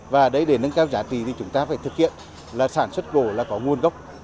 và để nâng cao giá trị thì chúng ta phải thực hiện sản xuất gỗ là có nguồn gốc